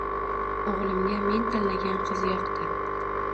O`g`limga men tanlagan qiz yoqdi